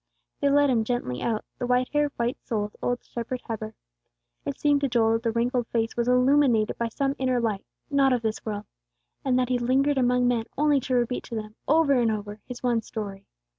They led him gently out, the white haired, white souled old shepherd Heber. It seemed to Joel that the wrinkled face was illuminated by some inner light, not of this world, and that he lingered among men only to repeat to them, over and over, his one story.